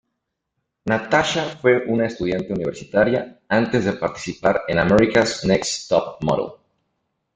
Natasha fue una estudiante universitaria antes de participar en America's Next Top Model.